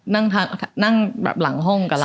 นั่งแบบหลังห้องกับเรา